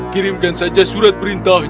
kirimkan saja surat perintahku